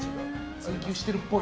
追求してるっぽい。